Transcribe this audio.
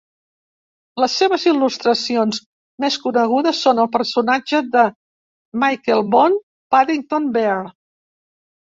Les seves il·lustracions més conegudes són el personatge de Michael Bond, Paddington Bear.